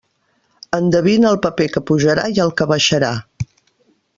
Endevina el paper que pujarà i el que baixarà.